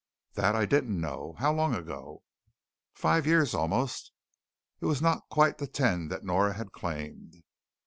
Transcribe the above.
"That I didn't know. How long ago?" "Five years, almost." It was not quite the ten that Nora had claimed.